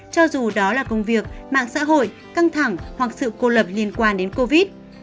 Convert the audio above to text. cho dù đó là công việc mạng xã hội căng thẳng hoặc sự cô lập liên quan đến covid